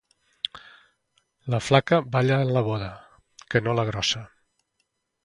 La flaca balla en la boda, que no la grossa.